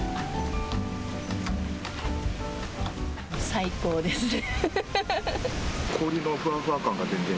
最高ですね。